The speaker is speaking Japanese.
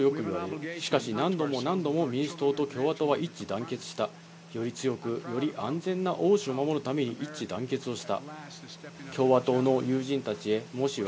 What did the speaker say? しかし何度も何度も民主党と共和党は一致団結した、より強く、より安全な欧州を守るために一致団結をした。